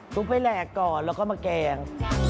ทุบไปหนักก่อนแล้วก็มาแกง